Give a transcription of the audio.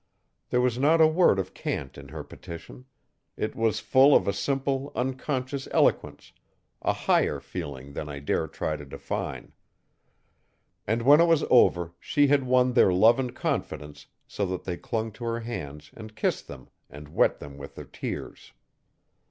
There was not a word of cant in her petition. It was full of a simple, unconscious eloquence, a higher feeling than I dare try to define. And when it was over she had won their love and confidence so that they clung to her hands and kissed them and wet them with their tears.